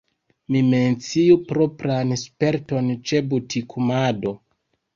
Mi menciu propran sperton ĉe butikumado.